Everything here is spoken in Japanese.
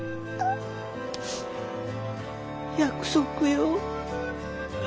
約束よ。